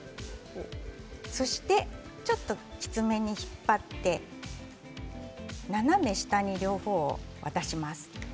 そして、ちょっときつめに引っ張って斜め下に両方を渡します。